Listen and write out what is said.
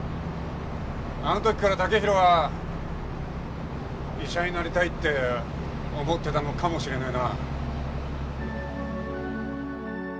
あんときから剛洋は「医者になりたい」って思ってたのかもしれねえな。